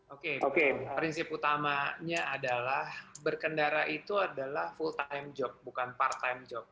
oke oke prinsip utamanya adalah berkendara itu adalah full time job bukan part time job